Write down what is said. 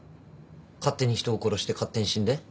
勝手に人を殺して勝手に死んで。